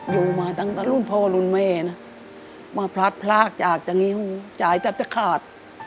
อยู่มาตั้งแต่รุ่นพ่อรุ่นแม่นะมาพลัดพลากจากอย่างนี้หูจ่ายแทบจะขาด